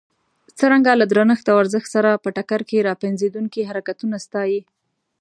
څرنګه له درنښت او ارزښت سره په ټکر کې را پنځېدونکي حرکتونه ستایي.